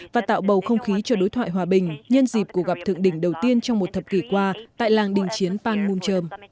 và tạo bầu không khí cho đối thoại hòa bình nhân dịp của gặp thượng đỉnh đầu tiên trong một thập kỷ qua tại làng đình chiến panmunjom